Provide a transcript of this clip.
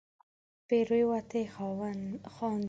پیروتې خاندې